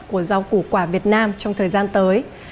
của rau củ quả việt nam trong thời gian tới